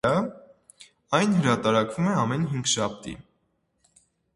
Այն հրատարակվում է ամեն հինգշաբթի։